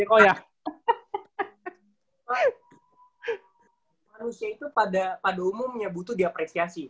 manusia itu pada umumnya butuh diapresiasi